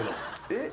えっ？